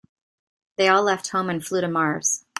They all left home and flew to Mars.